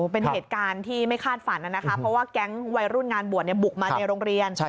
เป็นเหตุการณ์ที่ไม่คาดฝันนะคะเพราะว่าแก๊งวัยรุ่นงานบวชบุกมาในโรงเรียน